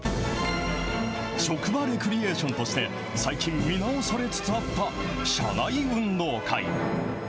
職場レクリエーションとして、最近、見直されつつあった、社内運動会。